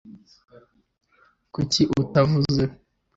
kuki utavuze